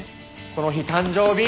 この日誕生日！